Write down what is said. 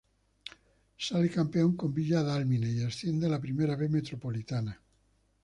Sale campeón con Villa Dálmine y asciende a la Primera B Metropolitana.